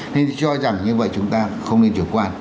nên cho rằng như vậy chúng ta không nên chủ quan